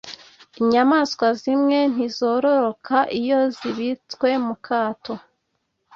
Inyamaswa zimwe ntizororoka iyo zibitswe mu kato